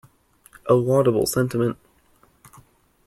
A laudable sentiment.